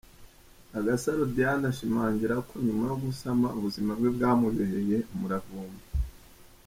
Agasaro Diane ashimangira ko nyuma yo gusama ubuzima bwe bwamubereye umuravumba.